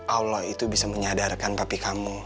allah itu bisa menyadarkan tapi kamu